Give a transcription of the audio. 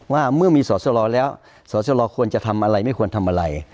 ว่าเมื่อมีสอสลอแล้วสอสรควรจะทำอะไรไม่ควรทำอะไร